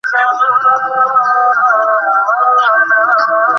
হ্যাঁ, ভাল ছিল, তাই না?